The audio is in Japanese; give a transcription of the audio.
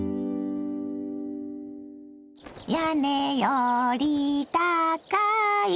「屋根よりたかい」